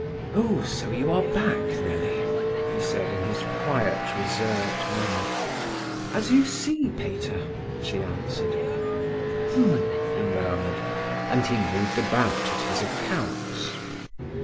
"Oh, so you are back, Nellie!" he said, in his quiet, reserved manner. "As you see, Pater," she answered. "H'm!" he murmured, and he moved about at his accounts.